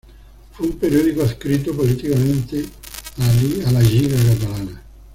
Fue un periódico adscrito políticamente a la Lliga Catalana.